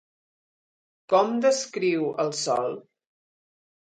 Com descriu el sol?